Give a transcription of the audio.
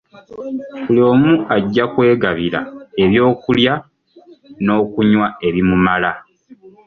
Buli omu ajja kwegabira eby’okulya n’okunywa ebimumala.